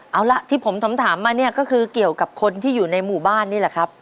เอาล่ะที่ผมถามมาเนี่ยก็คือเกี่ยวกับคนที่อยู่ในหมู่บ้านนี่แหละครับ